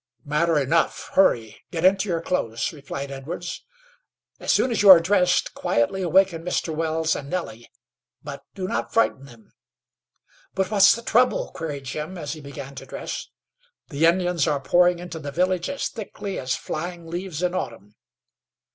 "Matter enough. Hurry. Get into your clothes," replied Edwards. "As soon as you are dressed, quietly awaken Mr. Wells and Nellie, but do not frighten them." "But what's the trouble?" queried Jim, as he began to dress. "The Indians are pouring into the village as thickly as flying leaves in autumn."